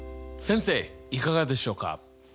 先生いかがでしょうか？